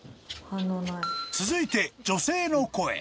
［続いて女性の声］